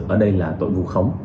ở đây là tội vu khống